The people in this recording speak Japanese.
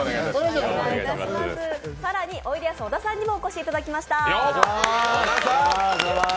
おいでやす小田さんにもお越しいただきました。